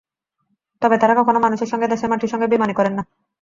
তবে তাঁরা কখনো মানুষের সঙ্গে, দেশের মাটির সঙ্গে বেইমানি করেন না।